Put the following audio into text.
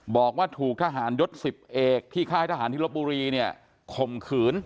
บอกว่าถูกทหารดร๑๐เอกที่ค่ายทหารธิรปุรีข่มขืน